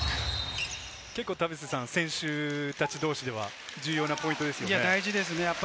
選手たち同士では重要なポイントですよね。